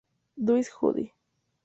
Does Judy!